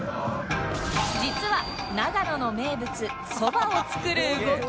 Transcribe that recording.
実は長野の名物そばを作る動き